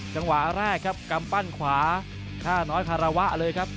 จังหวะแรกครับกำปั้นขวาฆ่าน้อยคารวะเลยครับ